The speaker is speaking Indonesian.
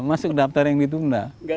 masuk daftar yang ditunda